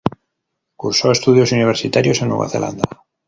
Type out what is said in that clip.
Cursó estudios universitarios en Nueva Zelanda.